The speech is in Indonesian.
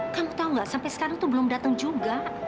kamu tahu nggak sampai sekarang tuh belum datang juga